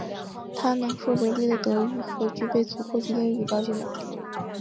他能说流利的德语和具备足够的英语了解能力。